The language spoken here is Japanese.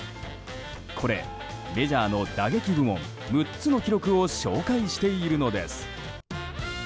これ、メジャーの打撃部門６つの記録を紹介しているのです。